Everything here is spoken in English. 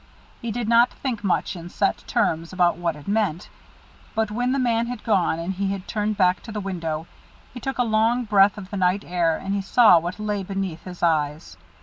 He did not think much in set terms about what it meant, but when the man had gone and he had turned back to the window, he took a long breath of the night air and he saw what lay beneath his eyes.